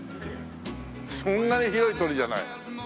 そんなに広い通りじゃない。